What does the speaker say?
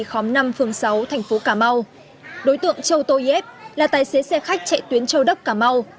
khóm năm phường sáu thành phố cà mau đối tượng châu tô yev là tài xế xe khách chạy tuyến châu đốc cà mau